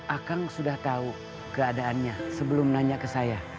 akang sudah tahu keadaannya sebelum nanya ke saya